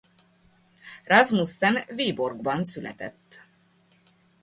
Rasmussen Viborgban született.